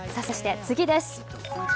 そして次です。